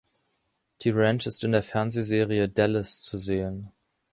Die Ranch ist in der Fernsehserie „Dallas“ zu sehen.